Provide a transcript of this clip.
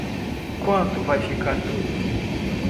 Gostaria de levar estes antúrios também. Quanto vai ficar tudo?